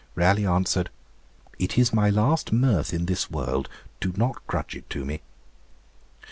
Raleigh answered, 'It is my last mirth in this world; do not grudge it to me.'